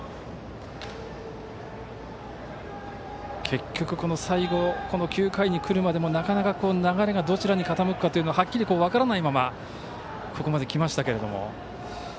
結局、最後、９回にくるまでもなかなか流れがどちらに傾くかはっきり分からないままここまできましたけれども。